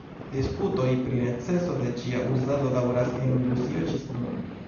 Disputoj pri neceso de ĝia uzado daŭras en Rusio ĝis nun.